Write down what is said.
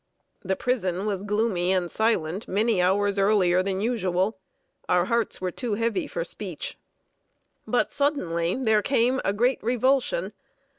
The prison was gloomy and silent many hours earlier than usual. Our hearts were too heavy for speech. But suddenly there came a great revulsion.